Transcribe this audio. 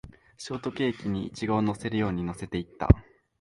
ショートケーキにイチゴを乗せるように乗せていった